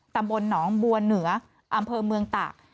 ตำบลหนองบัวเหนืออำเภอเมืองตาก